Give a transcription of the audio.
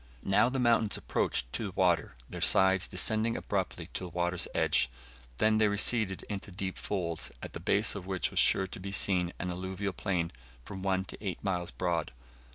Now the mountains approached to the water, their sides descending abruptly to the water's edge; then they receded into deep folds, at the base of which was sure to be seen an alluvial plain from one to eight miles broad.